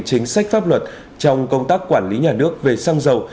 chính sách pháp luật trong công tác quản lý nhà nước về xăng dầu